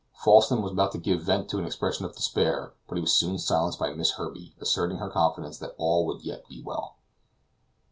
Falsten was about to give vent to an expression of despair, but he was soon silenced by Miss Herbey asserting her confidence that all would yet be well.